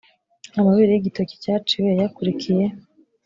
amabere y’igitoki cyaciwe yayakurikiye